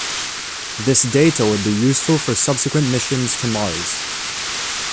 This data would be useful for subsequent missions to Mars.